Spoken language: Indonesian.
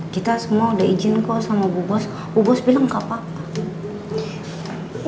kita semua udah izin kok sama bu bos bu bos bilang gak apa apa